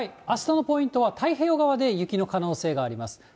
あしたのポイントは、太平洋側で雪の可能性があります。